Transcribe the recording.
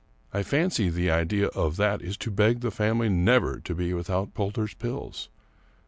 I fancy the idea of that is to beg the family never to be without Poulter's Pills.